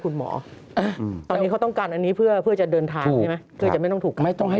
คุณหมอตอนนี้เขาต้องการอันนี้เพื่อเพื่อจะเดินทางไม่ต้องให้